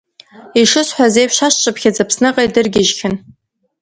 Ишысҳәаз еиԥш, ашшыԥхьыӡ Аԥсныҟа идыргьежьхьан.